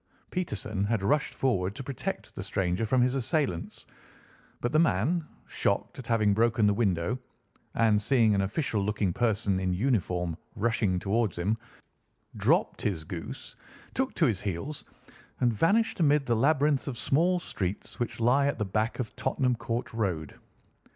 Peterson had rushed forward to protect the stranger from his assailants; but the man, shocked at having broken the window, and seeing an official looking person in uniform rushing towards him, dropped his goose, took to his heels, and vanished amid the labyrinth of small streets which lie at the back of Tottenham Court Road.